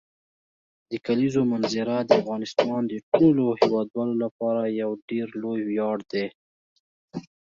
د کلیزو منظره د افغانستان د ټولو هیوادوالو لپاره یو ډېر لوی ویاړ دی.